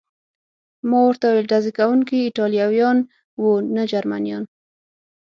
ما ورته وویل: ډزې کوونکي ایټالویان و، نه جرمنیان.